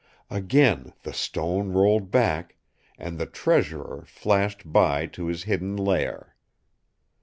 Again the stone rolled back; and the 'Treasurer' flashed by to his hidden lair.